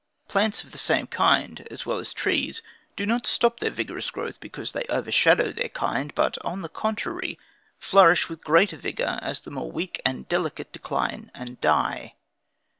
Plants of the same kind, as well as trees, do not stop their vigorous growth because they overshadow their kind; but, on the contrary, flourish with greater vigor as the more weak and delicate decline and die.